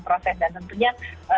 proses dan tentunya